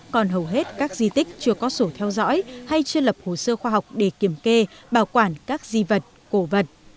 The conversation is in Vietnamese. còn hầu hết các di tích chưa có sổ theo dõi hay chưa lập hồ sơ khoa học để kiểm kê bảo quản các di vật cổ vật